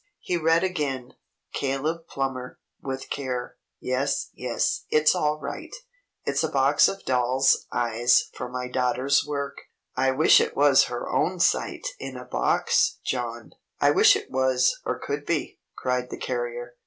He read again, "'Caleb Plummer. With Care.' Yes, yes; it's all right. It's a box of dolls' eyes for my daughter's work. I wish it was her own sight in a box, John!" "I wish it was, or could be," cried the carrier.